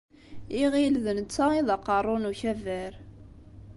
Iɣil d netta i d aqeṛṛu n ukabar.